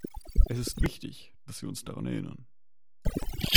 Es ist wichtig, dass wir uns daran erinnern.